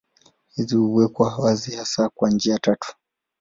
Hizi huwekwa wazi hasa kwa njia tatu.